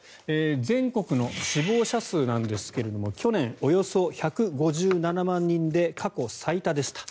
全国の死亡者数なんですが去年、およそ１５７万人で過去最多でした。